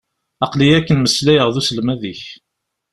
Aql-iyi akken meslayeɣ d uselmad-ik.